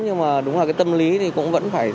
nhưng mà đúng là cái tâm lý thì cũng vẫn phải